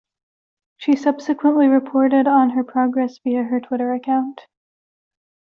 She subsequently reported on her progress via her Twitter account.